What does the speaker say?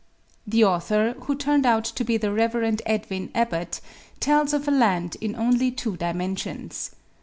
The author, who turned out to be the Reverend Edwin Abbott, tells of a land in only two dimensions.